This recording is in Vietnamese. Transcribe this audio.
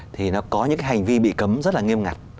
thì nó có những cái hành vi bị cấm rất là nghiêm ngặt